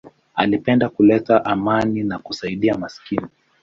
Alipenda kuleta amani na kusaidia maskini.